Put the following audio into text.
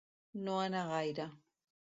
No anar gaire.